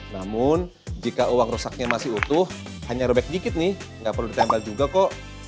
namun jika uang rusaknya masih utuh hanya robek dikit nih nggak perlu ditempel juga kok